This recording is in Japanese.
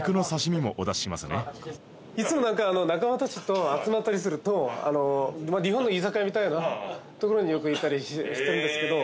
いつも仲間たちと集まったりすると日本の居酒屋みたいなところによく行ったりしてるんですけど。